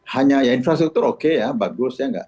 hanya infrastruktur oke ya bagus ya enggak